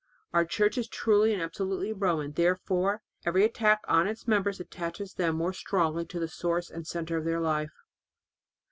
Our Church is truly and absolutely Roman; therefore every attack on its members attaches them more strongly to the source and centre of their life.